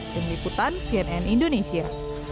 dengan liputan cnn indonesia